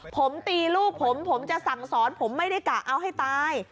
ผมตีลูกผมผมจะสั่งสอนผมไม่ได้กะเอาให้ตาย